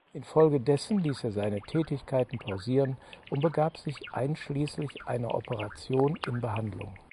Infolgedessen ließ er seine Tätigkeiten pausieren und begab sich einschließlich einer Operation in Behandlung.